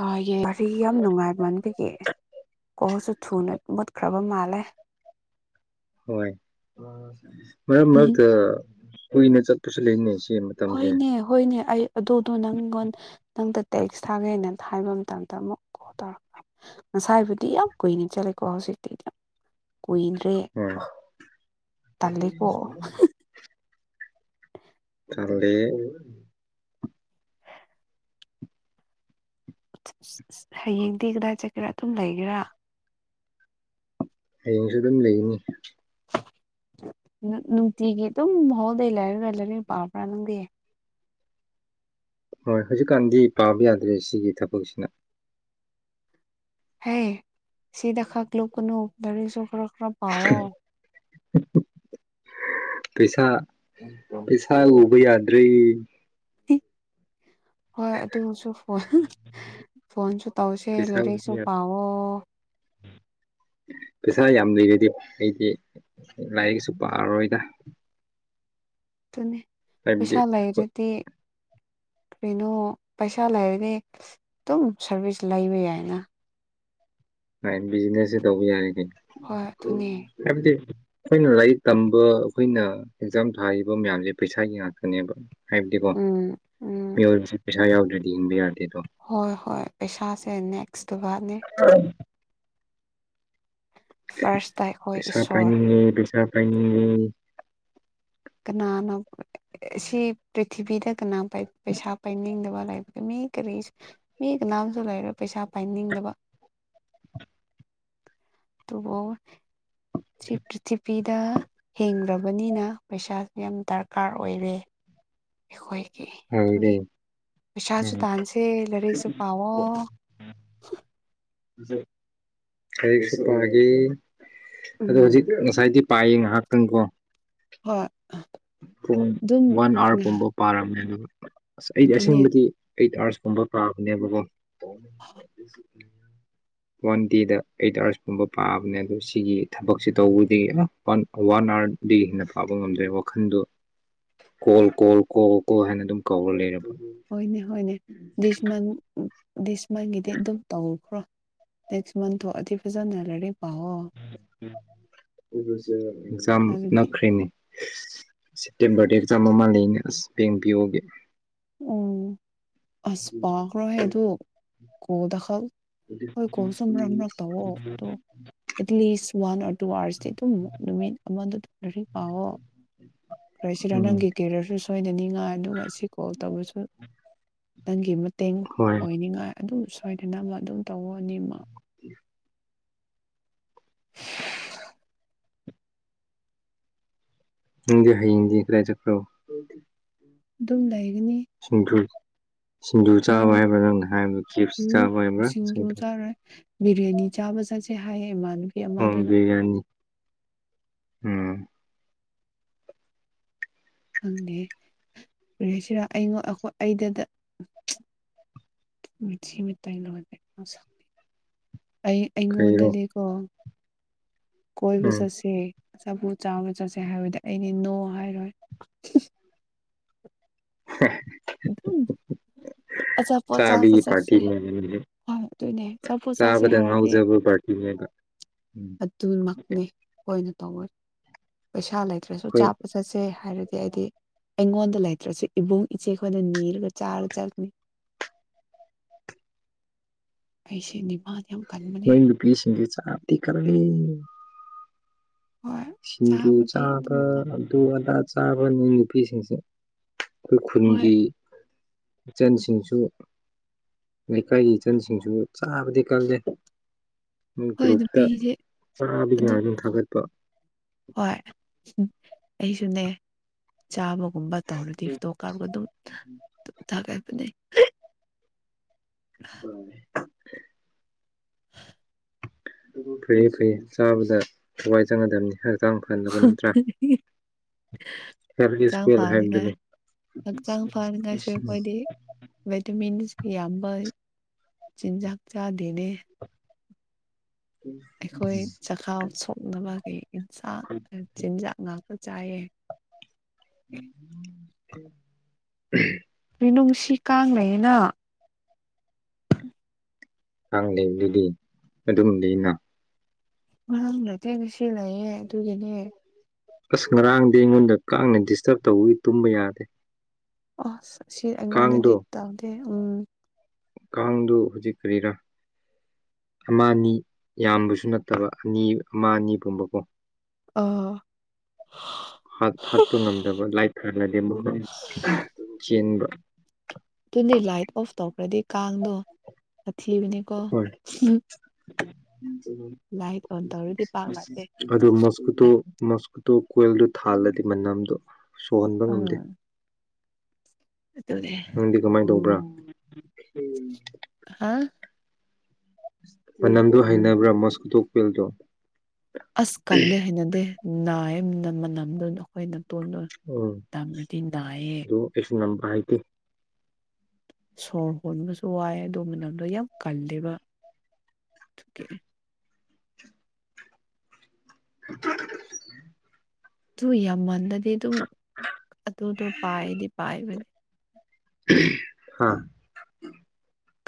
[unintelligible] ꯋꯥꯔꯤ ꯌꯥꯝ ꯅꯨꯡꯉꯥꯏꯕꯟꯕꯤꯒꯤ ꯀꯣꯜꯁꯨ ꯊꯨꯅ ꯃꯨꯠꯈ꯭ꯔꯕ ꯃꯥꯜꯂꯦ ꯍꯣꯏ ꯃꯔꯛ ꯃꯔꯛꯇ ꯀꯨꯏꯅ ꯆꯠꯄꯁꯨ ꯂꯩꯕꯅꯦ ꯁꯦꯝ ꯍꯣꯏꯅꯦ ꯍꯣꯏꯅꯦ ꯑꯩ ꯑꯗꯨꯗꯣ ꯅꯪꯉꯣꯟ ꯅꯪꯗ ꯇꯦꯛꯁ ꯊꯥꯒꯦꯅ ꯍꯥꯏꯕ ꯃꯇꯝꯗ ꯑꯃꯨꯛ ꯀꯣꯜ ꯇꯧꯔꯛ ꯉꯁꯥꯏꯕꯨꯗꯤ ꯌꯥꯝ ꯀꯨꯏꯅ ꯆꯠꯂꯦꯀꯣ ꯍꯧꯖꯤꯛꯇꯤ ꯀꯨꯏꯗ꯭ꯔꯦ ꯍꯣꯏ ꯇꯜꯂꯤꯀꯣ ꯈꯪꯗꯦ ꯍꯌꯦꯡꯗꯤ ꯀꯗꯥꯏ ꯆꯠꯀꯦꯔꯥ ꯑꯗꯨꯝ ꯂꯩꯒꯦꯔꯥ ꯍꯌꯦꯡꯁꯨ ꯑꯗꯨꯝ ꯂꯩꯒꯅꯤ ꯅꯨꯡꯇꯤꯒꯤ ꯑꯗꯨꯝ ꯍꯣꯜ ꯗꯦ ꯂꯩꯥꯏꯔꯒ ꯂꯥꯏꯔꯤꯛ ꯄꯥꯕ꯭ꯔꯥ ꯅꯪꯗꯤ ꯍꯣꯏ ꯍꯧꯖꯤꯛꯒꯥꯟꯗꯤ ꯄꯥꯕ ꯌꯥꯗ꯭ꯔꯦ ꯁꯤꯒꯤ ꯊꯕꯛꯁꯤꯅ ꯍꯦ ꯁꯤꯗ ꯈꯥꯛ ꯂꯨꯞꯀꯅꯨ ꯂꯥꯢꯔꯤꯛꯁꯨ ꯈꯔ ꯈꯔ ꯄꯥꯎꯑꯣ ꯄꯩꯁꯥ ꯄꯩꯁꯥ ꯎꯕ ꯌꯥꯗ꯭ꯔꯦ ꯍꯣꯏ ꯑꯗꯨꯁꯨ ꯐꯣꯟ ꯐꯣꯟꯁꯨ ꯇꯧꯁꯦ ꯄꯩꯁꯥ ꯎꯕ ꯂꯥꯏꯔꯤꯛꯁꯨ ꯌꯥꯗ꯭ꯔꯦ ꯄꯥꯎꯋꯣ ꯄꯩꯁꯥ ꯌꯥꯝ ꯂꯩꯔꯗꯤ ꯑꯩꯗꯤ ꯂꯥꯏꯔꯤꯛꯁꯨ ꯄꯥꯔꯔꯣꯏꯗ ꯑꯗꯨꯅꯦ ꯍꯥꯏꯕꯗꯤ ꯄꯨꯁꯥ ꯑꯩꯈꯣꯏ ꯂꯩꯔꯗꯤ ꯀꯩꯅꯣ ꯄꯩꯁꯥ ꯂꯩꯔꯗꯤ ꯑꯗꯨꯝ ꯁꯥꯔꯚꯤꯁ ꯂꯩꯕ ꯌꯥꯏꯅ ꯕꯤꯖꯤꯅꯦꯁꯁꯦ ꯇꯧꯕ ꯌꯥꯔꯦ ꯀꯩꯅꯣ ꯍꯣꯏ ꯑꯗꯨꯅꯦ ꯍꯥꯏꯕꯗꯤ ꯑꯩꯈꯣꯏꯅ ꯂꯥꯏꯔꯤꯛ ꯇꯝꯕ ꯑꯩꯈꯣꯏꯅ ꯑꯦꯛꯖꯥꯝ ꯊꯥꯔꯤꯕ ꯃꯌꯥꯝꯁꯦ ꯄꯩꯁꯥꯒꯤ ꯉꯥꯛꯇꯅꯦꯕ ꯍꯥꯏꯕꯗꯤꯀꯣ ꯎꯝ ꯎꯝ ꯃꯤꯑꯣꯏꯕꯁꯤ ꯄꯩꯁꯥ ꯌꯥꯎꯗ꯭ꯔꯗꯤ ꯍꯤꯡꯕ ꯌꯥꯗꯦꯗꯣ ꯍꯣꯏ ꯍꯣꯏ ꯄꯩꯁꯥꯁꯦ ꯅꯦꯛꯁ [unintelligible] ꯑꯥ [unintelligible] ꯐꯥꯔꯁꯇ ꯑꯩꯈꯣꯏ ꯄꯩꯁꯥ ꯏꯁꯣꯔ ꯄꯥꯏꯅꯤꯡꯉꯦ ꯄꯩꯁꯥ ꯄꯥꯏꯅꯤꯡꯉꯦ ꯀꯅꯥꯅ ꯁꯤ ꯄ꯭ꯔꯤꯊꯤꯕꯤꯗ ꯀꯅꯥ ꯄꯩꯁꯥ ꯄꯥꯏꯅꯤꯡꯗꯕ ꯂꯩꯒꯅꯤ ꯃꯤ ꯀꯔꯤ ꯃꯤ ꯀꯅꯥꯁꯨ ꯂꯩꯔꯣꯢ ꯄꯩꯁꯥ ꯄꯥꯏꯅꯤꯡꯗꯕ ꯑꯗꯨꯕꯨ ꯁꯤ ꯄ꯭ꯔꯤꯊꯤꯕꯤ ꯗ ꯍꯤꯡꯂꯕꯅꯤꯅ ꯄꯩꯁꯥꯁꯨ ꯌꯥꯝ ꯗꯔꯀꯥꯔ ꯑꯣꯏꯔꯦ ꯑꯩꯈꯣꯏꯒꯤ ꯍꯥꯏꯔꯦ ꯑꯗꯨꯒꯤ ꯄꯩꯁꯥꯁꯨ ꯎꯝ ꯇꯥꯟꯁꯦ ꯂꯥꯏꯔꯤꯛꯁꯨ ꯄꯥꯎꯋꯣ ꯂꯥꯢꯔꯤꯛꯁꯨ ꯄꯥꯒꯦ ꯑꯗꯣ ꯍꯧꯖꯤꯛ ꯎꯝ ꯉꯁꯥꯏꯗꯤ ꯄꯥꯏꯌꯦ ꯉꯥꯏꯍꯥꯛꯇꯪꯀꯣ ꯍꯣꯏ ꯄꯨꯡ ꯑꯗꯨꯝ ꯋꯥꯟ ꯑꯋꯥꯔ ꯄꯨꯝꯕ ꯄꯥꯔꯝꯃꯦ ꯑꯗꯨ ꯑꯁ ꯑꯩꯗꯤ ꯑꯗꯨꯅꯦ ꯑꯁꯦꯡꯕꯗꯤ ꯑꯩꯠ ꯑꯋꯥꯔꯁꯀꯨꯝꯕ ꯄꯥꯕꯅꯦꯕꯀꯣ [inaudible] ꯋꯥꯟ ꯗꯦꯗ ꯑꯩꯠ ꯑꯋꯥꯔꯁꯀꯨꯝꯕ ꯄꯥꯕꯅꯦ ꯑꯗꯣ ꯁꯤꯒꯤ ꯊꯕꯛꯁꯤ ꯇꯧꯕꯗꯒꯤ ꯑꯥ ꯋꯥꯟ ꯋꯥꯟ ꯑꯋꯥꯔꯗꯤ ꯍꯦꯟꯅ ꯄꯥꯕ ꯉꯝꯗ꯭ꯔꯦ ꯃꯈꯟꯗꯨ ꯀꯣꯜ ꯀꯣꯜ ꯀꯣ ꯀꯣ ꯍꯥꯏꯅ ꯑꯗꯨꯝ ꯀꯧꯔ ꯂꯩꯔꯕ ꯍꯣꯢꯅꯦ ꯍꯣꯢꯅꯦ ꯗꯤꯁ ꯃꯥꯟꯁ ꯗꯤꯁ ꯃꯟꯒꯤꯗꯤ ꯑꯗꯨꯝ ꯇꯧꯈ꯭ꯔꯣ ꯅꯦꯛꯁ ꯃꯥꯟꯁꯗꯣ ꯑꯗꯨ ꯐꯖꯅ ꯂꯥꯏꯔꯤꯛ ꯄꯥꯎꯑꯣ ꯎꯝ ꯑꯗꯨꯁꯨ ꯑꯦꯛꯖꯥꯝ ꯍꯥꯏꯕꯗꯤ ꯅꯛꯈ꯭ꯔꯦꯅꯦ ꯁꯦꯞꯇꯦꯝꯕꯔꯗ ꯑꯦꯛꯖꯥꯝ ꯑꯃ ꯂꯩꯅꯦ ꯑꯁ ꯕꯦꯡ ꯄꯤꯌꯣꯒꯤ ꯑꯣ ꯑꯁ ꯄꯥꯈ꯭ꯔꯣ ꯑꯗꯨ ꯀꯣꯜꯗ ꯈꯛ ꯍꯣꯏ ꯀꯣꯜꯁꯨ ꯃꯔꯛ ꯃꯔꯛ ꯇꯧꯋꯣ ꯑꯗꯣ ꯑꯦꯠꯂꯤꯁ ꯋꯥꯟ ꯑꯣꯔ ꯇꯨ ꯑꯥꯋꯔꯁꯇꯤ ꯑꯗꯨꯝ ꯅꯨꯃꯤꯠ ꯑꯃꯗ ꯑꯗꯨꯝ ꯂꯥꯢꯔꯤꯛ ꯄꯥꯎꯋꯣ ꯀꯔꯤ ꯍꯥꯏꯁꯤꯔ ꯎꯝ ꯅꯪꯒꯤ ꯀꯦꯔꯤꯌꯔꯁꯨ ꯁꯣꯏꯗꯅꯤꯡꯉꯥꯏ ꯑꯗꯨꯒ ꯁꯤ ꯀꯣꯜ ꯇꯧꯕꯁꯨ ꯅꯪꯒꯤ ꯃꯇꯦꯡ ꯍꯣꯏ ꯑꯣꯏꯅꯤꯡꯉꯥꯏ ꯑꯗꯨꯝ ꯁꯣꯏꯗꯅꯕ ꯑꯗꯨꯝ ꯇꯧꯋꯣ ꯑꯅꯤꯃꯛ ꯅꯪꯗꯤ ꯍꯌꯦꯡꯗꯤ ꯀꯗꯥꯏ ꯆꯠꯕ꯭ꯔꯣ ꯑꯗꯨꯝ ꯂꯩꯒꯅꯤ ꯁꯤꯡꯖꯨ ꯁꯤꯡꯖꯨ ꯅꯣ ꯆꯥꯕ ꯍꯥꯏꯕ꯭ꯔꯥ ꯅꯪꯅ ꯍꯥꯏꯕꯗꯨ ꯆꯩꯞꯁ ꯎꯝ ꯆꯥꯕ ꯍꯥꯏꯕ꯭ꯔꯥ ꯁꯤꯡꯖꯨ ꯆꯥꯔꯣꯏ ꯕꯤꯔꯌꯥꯅꯤ ꯆꯥꯕ ꯆꯦꯠꯁꯦ ꯍꯥꯏꯌꯦ ꯏꯃꯥꯟꯅꯕꯤ ꯑꯣ ꯑꯃꯗꯨꯅ ꯕꯤꯔꯌꯥꯅꯤ ꯎꯝ ꯈꯪꯗꯦ ꯀꯔꯤ ꯍꯥꯏꯁꯤꯔꯥ ꯑꯩꯉꯣꯟ ꯑꯩꯗ ꯃꯤꯠꯁꯤ [unintelligible] [unintelligible] ꯑꯩ ꯀꯔꯤꯔꯣ ꯑꯩꯉꯣꯟꯗꯗꯤꯀꯣ ꯀꯣꯏꯕ ꯎꯝ ꯆꯠꯁꯦ ꯑꯆꯥꯄꯣꯠ ꯆꯥꯕ ꯆꯠꯁꯦ ꯍꯥꯏꯕꯗ ꯑꯩꯗꯤ ꯅꯣ ꯍꯥꯏꯔꯣꯏ [unintelligible] ꯑꯗꯨꯝ ꯑꯆꯥꯄꯣꯠ ꯆꯥꯕꯤ ꯆꯥꯕ ꯆꯠꯁꯦ ꯄꯥꯔꯇꯤꯅꯦ ꯍꯣꯏ ꯑꯗꯨꯅꯦ ꯑꯆꯥꯄꯣꯠ ꯆꯥꯁꯦ ꯆꯥꯕꯗ ꯍꯥꯏꯔꯗꯤ ꯉꯥꯎꯖꯕ ꯄꯥꯔꯇꯤꯅꯦꯕ ꯎꯝ ꯇꯨꯃꯛꯅꯤ ꯑꯩꯈꯣꯏꯅ ꯇꯧꯋꯦ ꯄꯩꯁꯥ ꯂꯩꯇ꯭ꯔꯁꯨ ꯑꯩꯈꯣꯏ ꯆꯥꯕ ꯆꯠꯁꯦ ꯍꯥꯏꯔꯗꯤ ꯑꯩꯗꯤ ꯑꯩꯉꯣꯟꯗ ꯂꯩꯇ꯭ꯔꯁꯨ ꯏꯕꯨꯡ ꯏꯆꯦꯈꯣꯏꯗ ꯅꯤꯔꯒ ꯆꯥꯔ ꯆꯠꯂꯅꯤ ꯑꯩꯁꯦ ꯗꯤꯃꯥꯟ ꯌꯥꯝ ꯀꯟꯕꯅꯦ ꯅꯣꯏ ꯅꯨꯄꯤꯁꯤꯡꯁꯦ ꯆꯥꯕꯗꯤ ꯀꯜꯂꯤꯍꯦ ꯍꯣꯏ ꯁꯤꯡꯖꯨ ꯆꯥꯕꯗꯤ ꯆꯥꯕ ꯑꯗꯨꯝ ꯇꯧ ꯑꯗꯨ ꯑꯗꯥ ꯆꯥꯕ ꯅꯤ ꯅꯨꯄꯤꯁꯤꯡꯁꯦ ꯑꯩꯈꯣꯏ ꯍꯣꯏ ꯈꯨꯟꯒꯤ ꯏꯆꯟꯁꯤꯡꯁꯨ ꯂꯩꯀꯥꯏꯒꯤ ꯏꯆꯟꯁꯤꯡꯁꯨ ꯆꯥꯕꯗꯤ ꯀꯜꯂꯦ ꯃꯣꯏ ꯍꯣꯏ ꯒ꯭ꯔꯨꯞꯇ ꯅꯨꯄꯤꯗꯤ ꯆꯥꯕꯒꯤ ꯑꯗꯨꯝ ꯉꯥꯛꯇ ꯊꯥꯒꯠꯄ ꯍꯣꯏ ꯑꯩꯁꯨꯅꯦ ꯆꯥꯕꯒꯨꯝꯕ ꯇꯧꯔꯗꯤ ꯐꯣꯇꯣ ꯀꯥꯞꯔꯒ ꯊꯥꯒꯠꯄꯅꯦ [unintelligible] ꯐꯩ ꯐꯩꯌꯦ ꯆꯥꯕꯗ ꯊꯋꯥꯏ ꯆꯪꯒꯗꯕꯅꯤ ꯍꯛꯆꯥꯡ ꯐꯅꯕ ꯅꯠꯇ꯭ꯔꯥ [inaudible] ꯍꯛꯆꯥꯡ ꯐꯅꯤꯡꯉꯥꯏ ꯍꯥꯢꯕꯗꯨꯅꯤ ꯚꯦꯇꯃꯤꯟꯁ ꯌꯥꯝꯕ ꯆꯤꯟꯖꯥꯛ ꯆꯥꯗꯦꯅꯦ ꯑꯩꯈꯣꯏ ꯆꯈꯥꯎ ꯁꯣꯛꯅꯕꯒꯤ ꯑꯦꯟꯁꯥꯡ ꯆꯤꯟꯖꯥꯛ ꯉꯥꯛꯇ ꯆꯥꯏꯌꯦ ꯎꯝ ꯀꯩꯅꯣ ꯉꯁꯤ ꯀꯥꯡ ꯂꯩꯋꯦꯅ ꯀꯥꯡ ꯂꯩꯔꯤꯗꯨꯗꯤ ꯑꯗꯨꯝ ꯂꯩꯅꯥ ꯉꯔꯥꯡ ꯂꯩꯇꯦ ꯉꯁꯤ ꯂꯩꯌꯦ ꯑꯗꯨꯒꯤꯅꯦ ꯑꯁ ꯉꯔꯥꯡꯗꯤ ꯑꯩꯉꯣꯟꯗ ꯀꯥꯡꯅ ꯗꯤꯁꯇꯔꯕ ꯇꯧꯕꯒꯤ ꯇꯨꯝꯕ ꯌꯥꯗꯦ ꯑꯣ ꯁꯤ ꯑꯩꯉꯣꯟꯗꯗꯤ ꯀꯥꯡꯗꯣ ꯇꯧꯗꯦ ꯎꯝ ꯀꯥꯡꯗꯨ ꯍꯧꯖꯤꯛ ꯀꯔꯤꯔꯥ ꯑꯃ ꯑꯅꯤ ꯌꯥꯝꯕꯁꯨ ꯅꯠꯇꯕ ꯑꯅꯤ ꯑꯃ ꯑꯅꯤ ꯒꯨꯝꯕꯀꯣ ꯑꯥ ꯍꯥꯠꯄ ꯉꯝꯗꯕ ꯂꯥꯏꯠ ꯐꯪꯂꯗꯤ ꯑꯃꯨꯛꯒ ꯑꯗꯨꯝ ꯆꯦꯟꯕ ꯑꯗꯨꯗꯤ ꯂꯥꯏꯠ ꯑꯣꯐ ꯇꯧꯈ꯭ꯔꯗꯤ ꯀꯥꯡꯗꯣ ꯁꯥꯊꯤꯕꯅꯤꯀꯣ ꯍꯣꯏ ꯑꯣꯟ ꯇꯧꯔꯗꯤ ꯄꯥꯛ ꯂꯥꯛꯇꯦ [inaudible] ꯑꯗꯨ ꯃꯣꯁꯀꯨꯇꯣ ꯃꯣꯁꯀꯨꯇꯣ ꯀꯣꯏꯜꯗꯨ ꯊꯥꯜꯂꯗꯤ ꯃꯅꯝꯗꯣ ꯁꯣꯔ ꯍꯣꯟꯕ ꯉꯝꯗꯦ ꯎꯝ ꯑꯗꯨꯅꯦ ꯅꯪꯗꯤ ꯀꯃꯥꯏꯅ ꯇꯧꯕ꯭ꯔꯥ ꯍꯥ ꯃꯅꯝꯗꯨ ꯍꯩꯅꯕ꯭ꯔꯥ ꯃꯣꯁꯀꯨꯇꯣ ꯀꯤꯜꯗꯣ ꯑꯁ ꯀꯜꯂꯦ ꯍꯥꯏꯅꯗꯦ ꯅꯥꯏꯌꯦ ꯃꯅꯝꯗꯨꯅ ꯑꯩꯈꯣꯏ ꯅꯇꯣꯟꯗꯨꯅ ꯎꯝ ꯇꯞꯅꯗꯤ ꯅꯥꯢꯌꯦ ꯑꯗꯨ ꯑꯩꯁꯨ ꯉꯝꯕ ꯍꯥꯏꯗꯤ ꯁꯣꯔ ꯍꯣꯟꯕꯁꯨ ꯋꯥꯏ ꯑꯗꯨ ꯃꯅꯝꯗꯣ ꯌꯥꯝ ꯀꯜꯂꯦꯕ ꯑꯗꯨꯒꯤ [inaudible] ꯑꯗꯨ ꯌꯥꯝꯃꯟꯂꯗꯤ ꯑꯗꯨꯝ ꯑꯗꯨꯗꯣ ꯄꯥꯏꯗꯤ ꯄꯥꯏꯕꯅꯤ ꯍꯥꯥ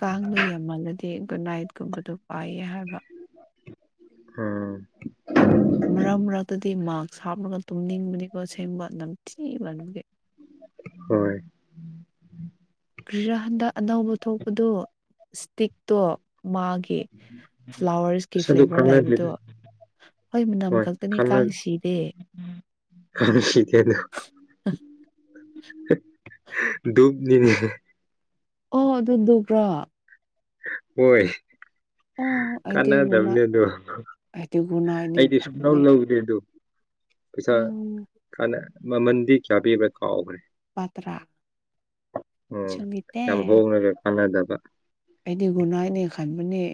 ꯀꯥꯡꯗꯨꯨ ꯌꯥꯝꯃꯜꯂꯗꯤ ꯒꯨꯠ ꯅꯥꯏꯠꯒꯨꯝꯕꯗꯣ ꯄꯥꯏꯌꯦ ꯍꯥꯏꯕ ꯎꯝ ꯃꯔꯛ ꯃꯔꯛꯇꯗꯤ ꯃꯥꯛꯁ ꯍꯥꯞꯂꯒ ꯇꯨꯝꯅꯤꯡꯕꯅꯤꯀꯣ ꯑꯁꯦꯡꯕ ꯅꯝꯊꯤꯃꯟꯕꯒꯤ ꯍꯣꯏ ꯀ꯭ꯔꯤꯔ ꯍꯟꯗꯛ ꯑꯅꯧꯕ ꯊꯣꯛꯄꯗꯨ ꯏꯁꯇꯤꯛꯇꯣ ꯃꯥꯒꯤ ꯀꯤ ꯐ꯭ꯂꯥꯋꯔꯁꯀꯤ ꯑꯁ ꯑꯗꯨ ꯐ꯭ꯂꯦꯚꯔ ꯀꯥꯟꯅꯗꯦꯗ ꯂꯩꯕꯗꯣ ꯍꯣꯏ ꯃꯅꯝ ꯈꯛꯇꯅꯤ ꯀꯥꯡ ꯁꯤꯗꯦ ꯀꯥꯡ ꯁꯤꯗꯦ [unintelligible] ꯗꯨꯛꯅꯤꯅꯦ ꯑꯣ ꯑꯗꯨ ꯗꯨꯛꯂꯣ ꯍꯣꯢ ꯑꯣ ꯑꯩꯗꯤ ꯒꯨꯅ ꯀꯥꯟꯅꯗꯕꯅꯦ ꯑꯗꯣ ꯑꯩꯗꯤ ꯒꯨꯅꯥꯏꯅꯦ ꯑꯩꯗꯤ ꯁꯨꯡ ꯂꯧ ꯈꯟꯕꯅꯦ ꯂꯧꯗꯦ ꯑꯗꯨ ꯄꯩꯁꯥ ꯌꯥꯝ ꯀꯥꯟꯅ ꯃꯃꯟꯗꯤ ꯀꯌꯥ ꯄꯤꯕ꯭ꯔꯥ ꯀꯥꯎꯈ꯭ꯔꯦ ꯂꯧꯄꯥ ꯇꯔꯥ ꯎꯝ ꯌꯥꯝ ꯍꯣꯡꯔꯒ ꯀꯥꯟꯅꯗꯕ ꯑꯩꯗꯤ ꯒꯨꯢ ꯅꯥꯏꯠꯅꯦ ꯈꯟꯕꯅꯦ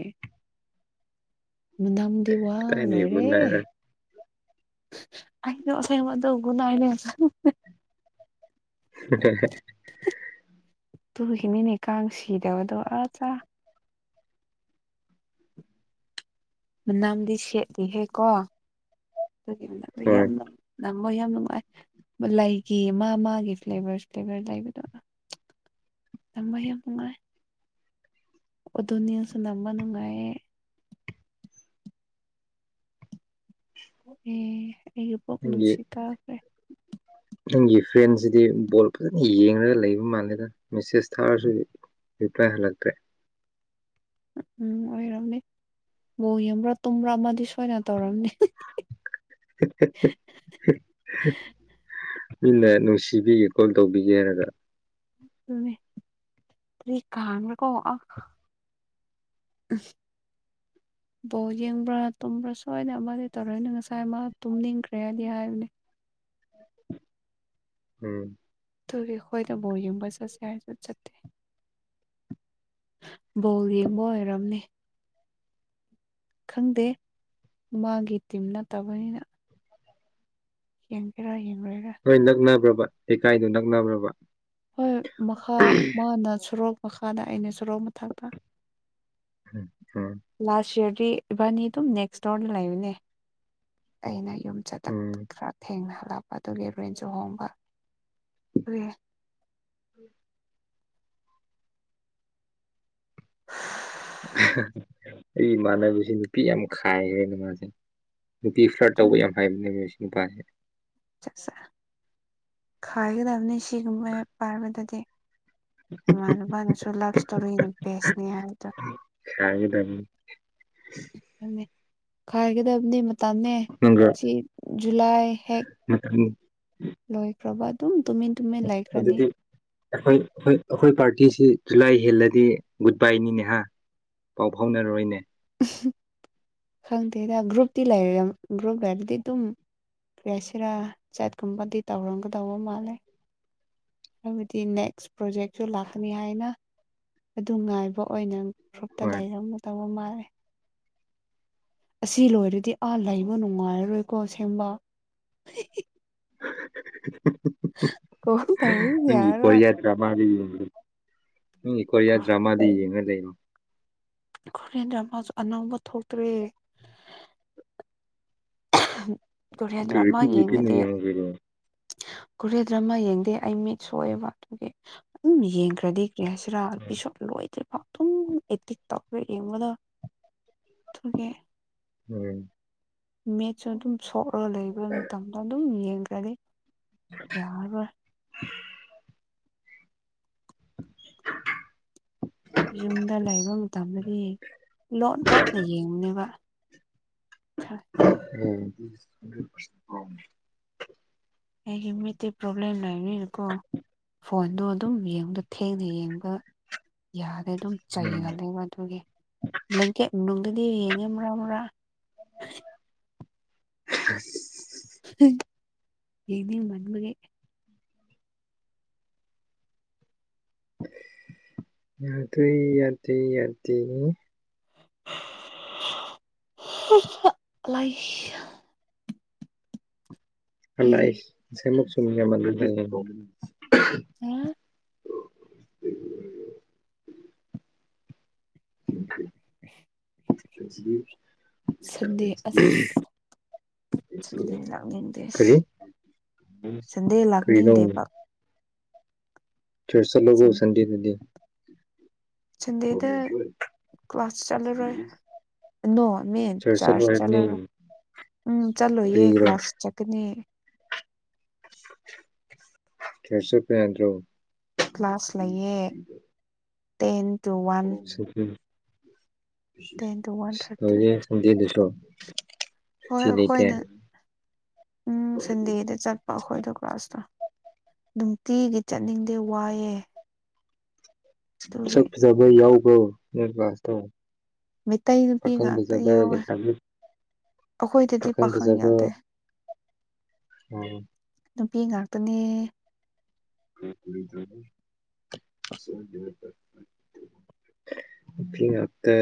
ꯃꯅꯝꯗꯤ ꯋꯥ ꯀꯗꯥꯏꯗꯒꯤ ꯒꯨꯠ ꯂꯣꯏꯔꯦ ꯅꯥꯏꯠꯔ ꯑꯩꯗꯣ ꯑꯁꯦꯡꯕ ꯑꯗꯨ ꯒꯨꯠ ꯅꯥꯢꯠꯅꯦ ꯍ [unintelligible] ꯑꯗꯨꯒꯤꯅꯤꯅꯦ ꯀꯥꯡ ꯁꯤꯗꯕꯗꯣ ꯑꯠꯆꯥ ꯃꯅꯥꯝꯗꯤ ꯁꯦꯠꯂꯤꯍꯦꯀꯣ ꯑꯗꯨꯒꯤ ꯃꯅꯝꯗꯣ ꯍꯣꯏ ꯌꯥꯝꯅ ꯅꯝꯞ ꯌꯥꯝ ꯅꯨꯡꯉꯥꯏ ꯂꯩꯒꯤ ꯃꯥ ꯃꯥꯒꯤ ꯐ꯭ꯂꯦꯚꯔ ꯐ꯭ꯂꯦꯚꯔ ꯂꯩꯕꯗꯨ ꯅꯝꯕ ꯌꯥꯝ ꯅꯨꯡꯉꯥꯢ ꯑꯗꯨꯅꯦ [unintelligible] ꯅꯨꯡꯉꯥꯢꯌꯦ ꯑꯣ ꯑꯦ ꯑꯩꯒꯤ ꯄꯣꯛ ꯅꯪꯒꯤ ꯅꯨꯡꯁꯤꯠ ꯀꯥꯈ꯭ꯔꯦ ꯅꯪꯒꯤ ꯐ꯭ꯔꯦꯟꯁꯤꯗꯤ ꯕꯣꯜ ꯐꯖꯅ ꯌꯦꯡꯉꯒ ꯂꯩꯕ ꯃꯥꯜꯂꯦꯗ ꯃꯦꯁꯦꯁ ꯊꯥꯔꯁꯨ ꯔꯤꯄ꯭ꯂꯥꯏ ꯍꯥꯏꯂꯛꯇꯦ ꯎꯝ ꯎꯝ ꯑꯣꯏꯔꯝꯅꯤ ꯕꯣꯜ ꯌꯦꯡꯕ꯭ꯔꯥ ꯇꯨꯝꯕ꯭ꯔꯥ ꯑꯃꯗꯤ ꯁꯣꯏꯅ ꯇꯧꯔꯝꯅꯤ [unintelligible] ꯃꯤꯅ ꯅꯨꯡꯁꯤꯕꯤꯒꯣ ꯀꯣꯜ ꯇꯧꯕꯤꯒꯦ ꯍꯥꯏꯔꯒ ꯑꯗꯨꯅꯦ ꯀ꯭ꯔꯤ ꯀꯥꯡꯂꯒꯣ ꯑ [inaudible] ꯕꯣꯜ ꯌꯦꯡꯕ꯭ꯔꯥ ꯇꯨꯝꯕ꯭ꯔꯥ ꯁꯣꯏꯗꯅ ꯑꯃꯗꯤ ꯇꯧꯔꯝꯅꯤ ꯉꯁꯥꯏ ꯃꯥ ꯇꯨꯝꯅꯤꯡꯈ꯭ꯔꯦ ꯍꯥꯏꯗꯤ ꯍꯥꯏꯕꯅꯤ ꯎꯝ ꯑꯗꯨꯒꯤ ꯑꯩꯈꯣꯏꯗꯣ ꯕꯣꯜ ꯌꯦꯡꯕ ꯆꯠꯁꯦ ꯍꯥꯏꯔ ꯆꯠꯇꯦ ꯕꯣꯜ ꯌꯦꯡꯕ ꯑꯣꯏꯔꯝꯅꯤ ꯈꯪꯗꯦ ꯃꯥꯒꯤ ꯇꯤꯝ ꯅꯠꯇꯕꯅꯤꯅ ꯌꯦꯟꯒꯦꯔꯥ ꯌꯦꯡꯉꯣꯢꯔꯥ ꯅꯣꯏ ꯅꯛꯅꯕ꯭ꯔꯕꯥ ꯂꯩꯀꯥꯏꯗꯨ ꯅꯛꯅꯕ꯭ꯔꯕꯥ ꯍꯣꯏ ꯃꯈꯥ ꯃꯥꯅ ꯁꯣꯔꯣꯛ ꯃꯈꯥꯗ ꯑꯩꯅ ꯁꯣꯔꯣꯛ ꯃꯊꯛꯇ ꯑꯝ ꯑꯝ ꯂꯥꯁ ꯢꯌꯔꯗꯤ ꯏꯕꯥꯅꯤ ꯑꯗꯨꯝ ꯅꯦꯛꯁ ꯁ꯭ꯇꯣꯔꯗ ꯂꯩꯕꯅꯦ ꯑꯩꯅ ꯌꯨꯝ ꯍꯜꯂꯛꯄꯗ ꯎꯝ ꯈꯔ ꯊꯦꯡꯅ ꯍꯜꯂꯛꯄ ꯑꯗꯨꯒꯤ ꯔꯦꯟꯁꯨ ꯍꯣꯡꯕ ꯀꯔꯤ ꯑꯩ ꯏꯃꯥꯟꯅꯕꯁꯤ ꯅꯨꯄꯤ ꯌꯥꯝ ꯈꯥꯏꯈ꯭ꯔꯦꯅ ꯃꯥꯗꯤ ꯅꯨꯄꯤ ꯐ꯭ꯂꯔꯠ ꯇꯧꯕ ꯑꯗꯨꯅꯤ ꯌꯥꯝ ꯍꯥꯏꯕꯅꯦ ꯃꯁꯤ ꯅꯨꯄꯥꯁꯤ ꯁꯥ ꯁꯥ ꯈꯥꯏꯒꯗꯕꯅꯤ ꯁꯤꯒꯨꯝꯕ ꯄꯥꯏꯕꯗꯗꯤ ꯏꯃꯥꯟꯅꯕꯅꯁꯨ ꯂꯥꯞ ꯏꯁꯇꯣꯔꯤꯅ ꯕꯦꯁꯅꯦ ꯍꯥꯏꯕꯗ ꯈꯥꯏꯒꯗꯕꯅꯤ ꯑꯗꯨꯅꯦ ꯈꯥꯏꯒꯗꯕꯅꯦ ꯃꯇꯝꯅꯦ ꯅꯪꯒ ꯁꯤ ꯖꯨꯂꯥꯏ ꯍꯦꯛ ꯃꯇꯝ ꯂꯣꯏꯈ꯭ꯔꯕ ꯑꯗꯨꯝ ꯇꯨꯃꯤꯟ ꯇꯨꯃꯤꯟ ꯂꯩꯈ꯭ꯔꯅꯤ ꯑꯗꯨꯗꯤ ꯑꯩꯈꯣꯏ ꯑꯩꯈꯣꯏ ꯑꯩꯈꯣꯏ ꯄꯥꯔꯇꯤꯁꯤ ꯖꯨꯂꯥꯏ ꯍꯦꯜꯂꯗꯤ ꯒꯨꯗ ꯕꯥꯏꯅꯤꯅꯦ ꯍꯥ ꯄꯥꯎ ꯐꯥꯎꯅꯔꯔꯣꯏꯅꯦ ꯈꯪꯗꯦꯗ ꯒ꯭ꯔꯨꯞꯇꯤ ꯂꯩꯔꯝ ꯒ꯭ꯔꯨꯞ ꯂꯩꯔꯗꯤ ꯑꯗꯨꯝ ꯔꯦꯁꯦꯔꯥ ꯆꯥꯠꯀꯨꯝꯕꯗꯤ ꯇꯧꯔꯝꯒꯗꯧꯕ ꯃꯥꯜꯂꯦ ꯍꯥꯏꯕꯗꯤ ꯅꯦꯛꯁ ꯄ꯭ꯔꯣꯖꯦꯛꯁꯨ ꯂꯥꯛꯀꯅꯤ ꯍꯥꯏꯌꯦꯅ ꯑꯗꯨ ꯉꯥꯏꯕ ꯑꯣꯏꯅ ꯒ꯭ꯔꯨꯞꯇ ꯍꯣꯏ ꯂꯩꯔꯝꯒꯗꯧꯕ ꯃꯥꯜꯂꯦ ꯑꯁꯤ ꯂꯣꯏꯔꯗꯤ ꯑ ꯂꯩꯕ ꯅꯨꯡꯉꯥꯏꯔꯔꯣꯏꯀꯣ ꯑꯁꯦꯝꯕ ꯀꯣ ꯇꯧꯕ ꯅꯪꯒꯤ ꯌꯥꯔꯔꯣꯏ ꯀꯣꯔꯤꯠꯌꯥ ꯗ꯭ꯔꯃꯥꯗꯤ ꯅꯣꯏꯒꯤ ꯀꯣꯔꯤꯌꯥ ꯗ꯭ꯔꯃꯥꯗꯤ ꯌꯦꯡꯉ ꯂꯩꯌꯨ ꯈꯣꯔꯤꯌꯥꯟ ꯗ꯭ꯔꯃꯥꯁꯨ ꯑꯅꯧꯕ ꯊꯣꯛꯇ꯭ꯔꯦ ꯑꯗꯨ ꯀꯣꯔꯤꯌꯥꯟꯗ꯭ꯔꯃꯥ ꯔꯤꯄꯤꯠ ꯔꯤꯄꯤꯠꯅ ꯌꯦꯡꯉꯗꯤ ꯌꯦꯡꯉꯨ ꯀꯩꯅꯣ ꯀꯣꯔꯤꯌꯥ ꯗ꯭ꯔꯃꯥ ꯌꯦꯡꯗꯦ ꯑꯩ ꯃꯤꯠ ꯁꯣꯛꯑꯦꯕ ꯑꯗꯨꯒꯤ ꯑꯗꯨꯝ ꯌꯦꯡꯈ꯭ꯔꯗꯤ ꯀꯩ ꯍꯥꯏꯁꯤꯔ ꯄꯤꯁꯨꯝ ꯂꯣꯏꯗ꯭ꯔꯤꯐꯥꯎ ꯗꯨꯝ ꯑꯦꯗꯤꯛ ꯇꯧꯔ ꯌꯦꯡꯕꯗꯣ ꯑꯗꯨꯒꯤ [unintelligible] ꯃꯦꯠꯁꯨ ꯑꯗꯨꯝ ꯁꯣꯛꯂꯒ ꯂꯩꯕ ꯃꯇꯝꯗ ꯑꯗꯨꯝ ꯌꯦꯡꯈ꯭ꯔꯗꯤ ꯌꯥꯔꯔꯣꯏ ꯌꯨꯝꯗ ꯂꯩꯕ ꯃꯇꯝꯗꯗꯤ ꯂꯣꯠ ꯂꯣꯠꯅ ꯌꯦꯡꯕꯅꯦꯕ [unintelligible] ꯑꯩꯒꯤ ꯃꯤꯠꯇꯤ ꯄ꯭ꯔꯣꯕ꯭ꯂꯦꯝ ꯂꯩꯅꯤꯅꯀꯣ ꯐꯣꯟꯗꯣ ꯑꯗꯨꯝ ꯌꯦꯡꯕꯗ ꯊꯦꯡꯅ ꯌꯦꯡꯕ ꯌꯥꯗꯦ ꯑꯗꯨꯝ ꯆꯩꯒꯜꯂꯦꯕ ꯑꯗꯨꯒꯤ ꯕ꯭ꯂꯦꯡꯀꯦꯠ ꯃꯅꯨꯡꯗꯗꯤ ꯌꯦꯡꯉꯦ ꯃꯔꯛ ꯃꯔꯛ [inaudible] ꯌꯦꯡꯅꯤꯡꯃꯟꯕꯒꯤ ꯌꯥꯗ꯭ꯔꯦ ꯌꯥꯗꯦ ꯌꯥꯗꯦ ꯥ [inaudible] ꯑꯩ [unintelligible] [inaudible] [inaudible] ꯅꯨꯡꯁꯤꯕꯤ ꯁꯟꯗꯦ ꯑꯁ ꯁꯟꯗꯦ ꯂꯥꯡꯅꯤꯡꯗꯦꯁ ꯀꯔꯤ ꯁꯟꯗꯦ ꯀꯔꯤꯅꯣ ꯂꯥꯛꯅꯤꯡꯗꯦꯕ ꯆ꯭ꯔꯆ ꯆꯠꯂꯣꯀꯣ ꯁꯟꯗꯦꯗꯗꯤ ꯁꯟꯗꯦꯗ ꯀ꯭ꯂꯥꯁ ꯆꯠꯂꯔꯣꯏ ꯅꯣ ꯑꯃꯤꯟ ꯆꯠꯂꯣ ꯆꯔꯆ ꯍꯥꯏꯕꯅꯤ ꯆꯠꯂꯔꯣꯏ ꯎꯝ ꯆꯠꯂꯣꯏꯌꯦ ꯀꯔꯤꯒꯤꯔꯣ ꯀ꯭ꯂꯥꯁ ꯆꯠꯀꯅꯤ ꯆꯔꯆ ꯆꯠꯄ ꯌꯥꯗ꯭ꯔꯣ ꯀ꯭ꯂꯥꯁ ꯂꯩꯌꯦ ten two one ten two one thirty [unintelligible] ꯍꯣꯏ ꯂꯩꯇꯦ ꯑꯈꯣꯏꯅ ꯎꯝ ꯁꯟꯗꯦꯗ ꯆꯠꯄ ꯑꯈꯣꯏꯗꯣ ꯀ꯭ꯂꯥꯁꯇꯣ ꯅꯨꯡꯇꯤꯒꯤ ꯆꯠꯅꯤꯡꯗꯦ ꯋꯥꯏꯑꯦ ꯑꯗꯨꯒꯤ ꯃꯁꯛ ꯐꯖꯕ ꯌꯥꯎꯕ꯭ꯔꯣ ꯅꯣꯏ ꯀ꯭ꯂꯥꯁꯇꯣ ꯃꯩꯇꯩꯩ ꯅꯨꯄꯤ ꯄꯥꯈꯪ ꯉꯥꯛꯇ ꯐꯖꯕ ꯌꯥꯎꯋꯦ ꯂꯩꯁꯥꯕꯤ ꯑꯈꯣꯏꯗꯗꯤ ꯄꯥꯈꯪ ꯌꯥꯗꯦ ꯑꯣ ꯅꯨꯄꯤ ꯉꯥꯛꯇꯅꯦ [unintelligible] ꯐꯤ ꯉꯥꯛꯇ